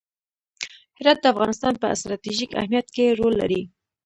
هرات د افغانستان په ستراتیژیک اهمیت کې رول لري.